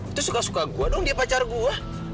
itu suka suka gua dong dia pacar gue